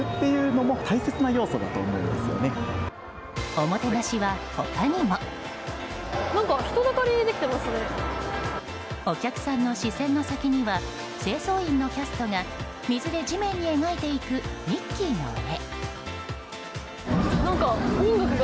おもてなしは他にも。お客さんの視線の先には清掃員のキャストが水で地面に描いていくミッキーの絵。